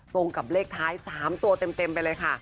ตรงกับเลขท้าย๓ตัวเต็มไปเลยค่ะ